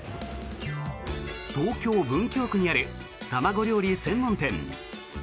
東京・文京区にある卵料理専門店。